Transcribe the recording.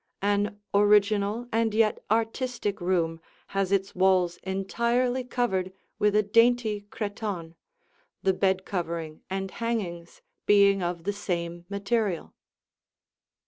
An original and yet artistic room has its walls entirely covered with a dainty cretonne, the bed covering and hangings being of the same material.